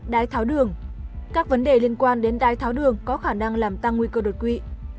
đái tháo đường các vấn đề liên quan đến đai tháo đường có khả năng làm tăng nguy cơ đột quỵ